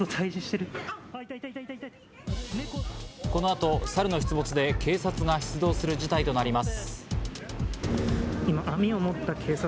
この後、サルの出没で警察が出動する事態となります。